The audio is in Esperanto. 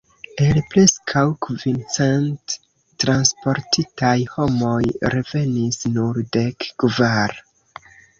El preskaŭ kvin cent transportitaj homoj revenis nur dek kvar.